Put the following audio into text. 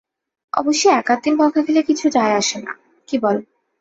অবশ্যি এক-আধ দিন বকা খেলে কিছু যায়-আসে না, কি বল?